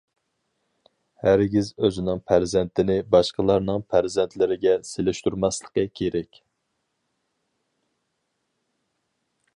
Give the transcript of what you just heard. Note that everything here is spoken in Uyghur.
ھەرگىز ئۆزىنىڭ پەرزەنتىنى باشقىلارنىڭ پەرزەنتلىرىگە سېلىشتۇرماسلىقى كېرەك.